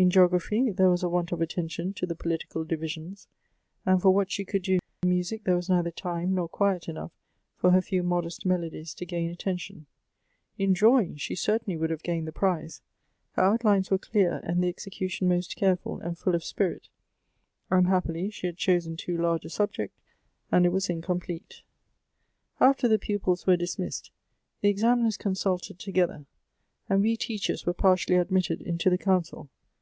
In geography, there was a want of attention to the political divisions; and for what she could do in music there was neither time nor quiet enough for her few modest melodies to gain attention ; In drawing she certainly would have gained the prize ; her outlines were clear, and the execution most careful and full of spii it; unhappily, she had chosen too large a subject, and it was incomplete. "After the pupils were dismissed, the examiners con sulted together, and wo teachers were partially admitted into the council.